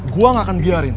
gue gak akan biarin